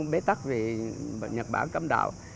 bế tắc vì nhật bản cấm đạo